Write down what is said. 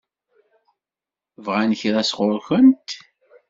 Bɣan kra sɣur-kent?